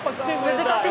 難しい？